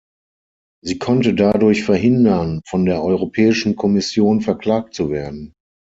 Sie konnte dadurch verhindern, von der Europäischen Kommission verklagt zu werden.